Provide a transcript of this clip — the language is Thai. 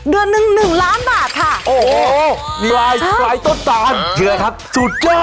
เดือนหนึ่งหนึ่งล้านบาทค่ะโอ้โหหลายต้นต่อนเหลือครับสุดยอดสุดยอด